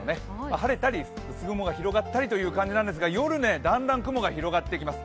晴れたり薄雲が広がったりという感じなんですが夜、だんだん雲が広がってきます。